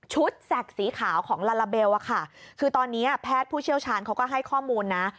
แสกสีขาวของลาลาเบลอะค่ะคือตอนนี้แพทย์ผู้เชี่ยวชาญเขาก็ให้ข้อมูลนะ